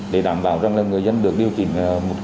để đảm bảo rằng là người dân được điều chỉnh một cách